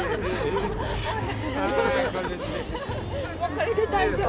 これで大丈夫。